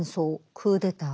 クーデター